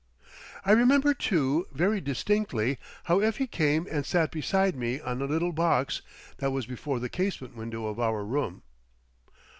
I remember too very distinctly how Effie came and sat beside me on a little box: that was before the casement window of our room.